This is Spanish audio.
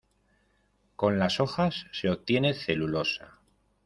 Con las hojas se obtiene celulosa.